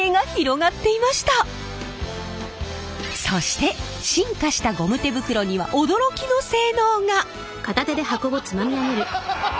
そして進化したゴム手袋には驚きの性能が！